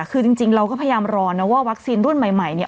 คือจริงเราก็พยายามรอนะว่าวัคซีนรุ่นใหม่เนี่ย